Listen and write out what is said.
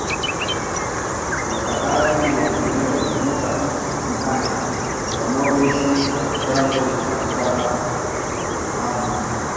wakaazi wa maeneo ya Ukunda na Diani wanaoishi kando kando mwa barabara kuhama